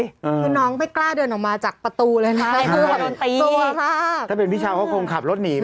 คือน้องไม่กล้าเดินออกมาจากประตูเลยนะ